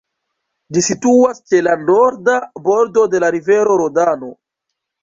Ĝi situas ĉe la norda bordo de la rivero Rodano.